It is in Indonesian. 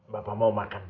bapak mau makan